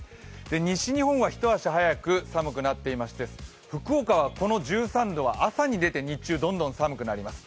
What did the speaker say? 西日本は一足早く寒くなっていまして、福岡はこの１３度は朝に出て日中どんどん寒くなります。